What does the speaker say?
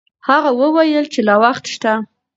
هغې وویل چې لا وخت شته.